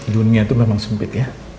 dunia itu memang sempit ya